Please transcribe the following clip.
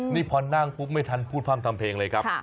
นี่พอนั่งปุ๊บไม่ทันพูดพร่ำทำเพลงเลยครับ